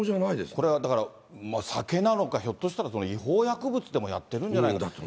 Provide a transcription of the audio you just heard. これはだから、酒なのか、ひょっとしたら違法薬物でもやってるんじゃないか。